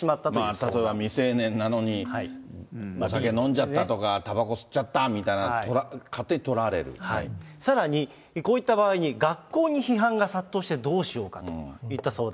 例えば未成年なのにお酒飲んじゃったとか、煙草吸っちゃったみたいな、さらに、こういった場合に学校に批判が殺到してどうしようかといった相談。